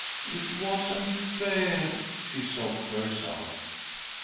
"It wasn't fair," she sobbed to herself.